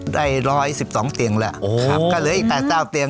ได้ร้อยสิบสองเตียงแล้วโอ้ฮ่ะครับก็เหลืออีกแต่เจ้าเตียง